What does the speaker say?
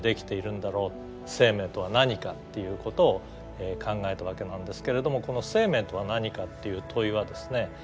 「生命とは何か」っていうことを考えたわけなんですけれどもこの「生命とは何か」っていう問いはですね